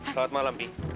selamat malam bi